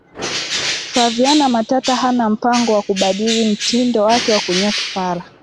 flaviana matata hana mpango wa kubadili mtindo wake wa kunyoa kipara